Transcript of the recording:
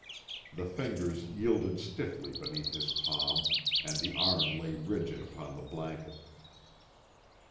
The fingers yielded stiffly beneath his palm and the arm lay rigid upon the blanket.